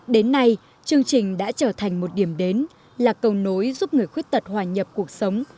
đến nay chương trình đã trở thành một điểm đến là cầu nối giúp người khuyết tật hòa nhập cuộc sống